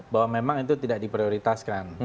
bahwa memang itu tidak diprioritaskan